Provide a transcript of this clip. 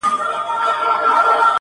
منبرونه یې نیولي جاهلانو -